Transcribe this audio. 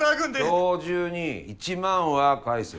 今日中に１万は返せよ。